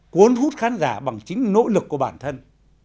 cuốn hút khán giả bằng chính nỗ lực của bản thân